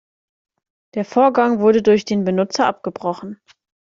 Der Vorgang wurde durch den Benutzer abgebrochen.